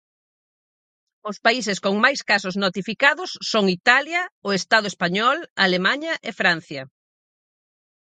Os países con máis casos notificados son Italia, o Estado español, Alemaña e Francia.